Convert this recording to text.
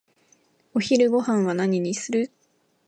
お昼ごはんは何にする？